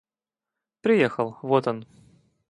Приехал, вот он.